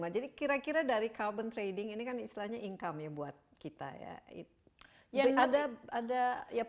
jadi kira kira dari carbon trading ini kan istilahnya income ya buat kita ya